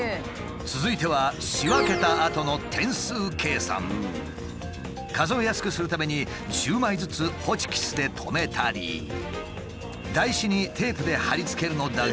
続いては仕分けたあとの数えやすくするために１０枚ずつホチキスで留めたり台紙にテープで貼り付けるのだが。